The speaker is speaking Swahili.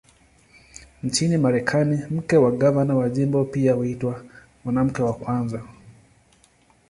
Nchini Marekani, mke wa gavana wa jimbo pia huitwa "Mwanamke wa Kwanza".